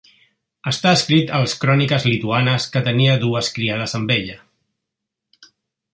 Està escrit a les Cròniques Lituanes que tenia dues criades amb ella.